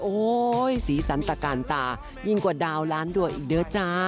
โอ้โหสีสันตะการตายิ่งกว่าดาวล้านดวงอีกเด้อจ้า